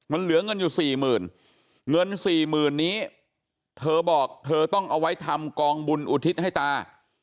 มันเหลือเงินอยู่สี่หมื่นเงินสี่หมื่นนี้เธอบอกเธอต้องเอาไว้ทำกองบุญอุทิศให้ตา